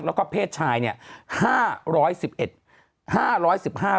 แล้วก็เพศชาย๕๑๑ล้านครั้ง